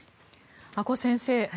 阿古先生